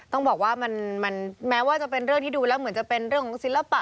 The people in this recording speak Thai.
ต้องบอกว่ามันแม้ว่าจะเป็นเรื่องที่ดูแล้วเหมือนจะเป็นเรื่องของศิลปะ